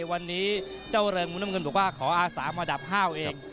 วันนี้เจ้าเริงมุมน้ำเงินบอกว่าขออาสามาดับห้าวเอง